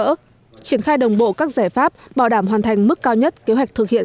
triển khai đồng bộ các giải pháp bảo đảm hoàn thành mức cao nhất kế hoạch thực hiện